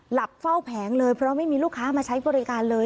หลับเฝ้าแผงเลยเพราะไม่มีลูกค้ามาใช้บริการเลย